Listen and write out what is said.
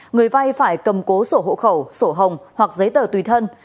người vay phải cầm cố sổ hộ khẩu sổ hồng hoặc giấy tờ tùy thân